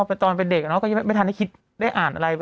หายไปครับ